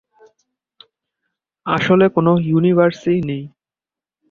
আসলে কোনো ইউনিভার্সেই নেই।